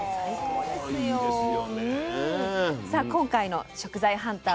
さあ今回の食材ハンター